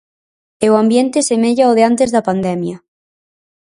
E o ambiente semella o de antes da pandemia.